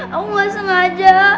aku gak sengaja